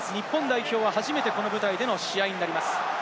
日本代表は初めてこの舞台での試合となります。